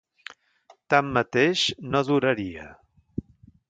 Tanmateix, no duraria.